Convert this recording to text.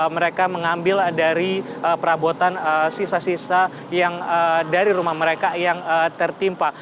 mereka mengambil dari perabotan sisa sisa dari rumah mereka yang tertimpa